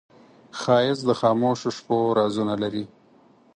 ښایست د خاموشو شپو رازونه لري